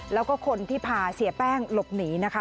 แล้วก็คนที่พาเสียแป้งหลบหนีนะคะ